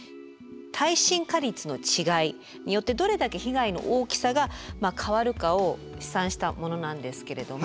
耐震化率の違いによってどれだけ被害の大きさが変わるかを試算したものなんですけれども。